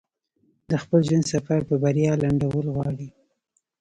د خپل ژوند سفر په بريا لنډول غواړي.